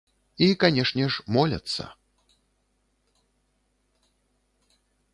І, канешне ж, моляцца.